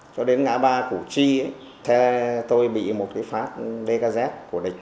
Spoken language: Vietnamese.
cho đến ngã ba củ chi xe tôi bị một cái phát dkz của địch